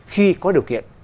khi có điều kiện